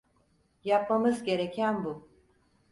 Yapmamız gereken bu.